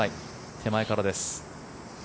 手前からです。